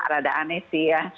atau ada aneh sih ya